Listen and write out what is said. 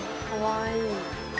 かわいい。